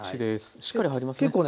しっかり入りますね。